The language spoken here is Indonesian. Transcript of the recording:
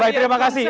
baik terima kasih